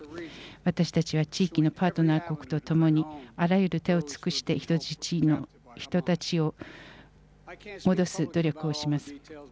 私たちは地域のパートナー国とともにあらゆる手を尽くして人質の人たちを戻す努力をします。